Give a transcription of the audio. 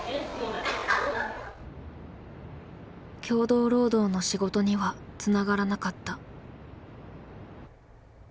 協同労働の仕事にはつながらなかった。